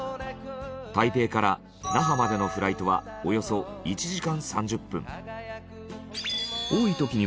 台北から那覇までのフライトはおよそ１時間３０分。